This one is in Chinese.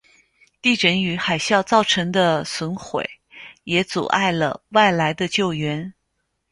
地震与海啸造成的损毁也阻碍了外来的救援。